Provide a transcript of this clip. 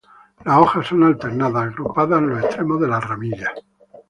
Las hojas son alternadas, agrupadas en los extremos de las ramillas.